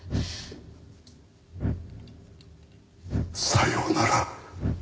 さようなら黎子。